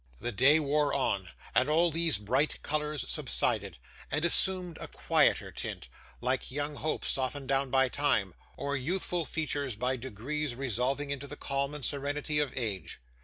The day wore on, and all these bright colours subsided, and assumed a quieter tint, like young hopes softened down by time, or youthful features by degrees resolving into the calm and serenity of age.